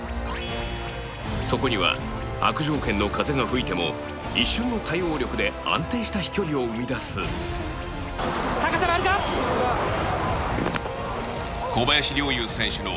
そこには悪条件の風が吹いても一瞬の対応力で安定した飛距離を生み出す実況：高さがあるか？